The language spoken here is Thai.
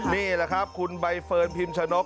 นี่แหละครับคุณใบเฟิร์นพิมชะนก